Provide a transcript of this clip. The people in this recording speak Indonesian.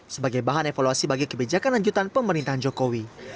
sebagai bahan evaluasi bagi kebijakan lanjutan pemerintahan jokowi